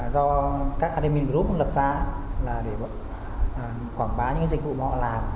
do các admin group lập ra là để quảng bá những dịch vụ mà họ làm